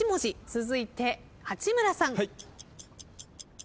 続いて八村さん。